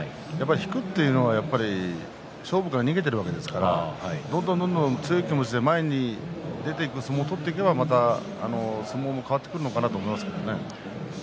引くというのは勝負から逃げているわけですからどんどん強い気持ちで前に出ていく相撲を取っていけばまた相撲も変わってくるのかなと思いますけどね。